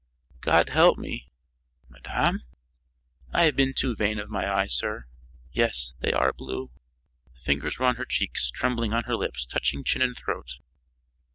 "God help me!" "Madame?" "I have been too vain of my eyes, sir. Yes, they are blue." The fingers were on her cheeks, trembling on her lips, touching chin and throat.